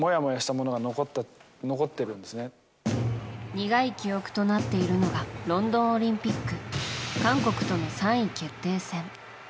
苦い記憶となっているのがロンドンオリンピック韓国との３位決定戦。